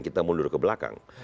kita mundur ke belakang